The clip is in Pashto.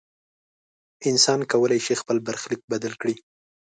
انسان کولی شي خپل برخلیک بدل کړي.